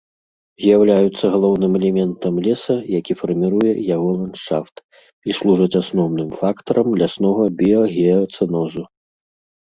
З'яўляюцца галоўным элементам леса, які фарміруе яго ландшафт, і служаць асноўным фактарам ляснога біягеацэнозу.